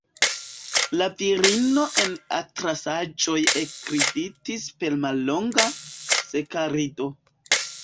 La virino en atlasaĵoj ekridis per mallonga, seka rido.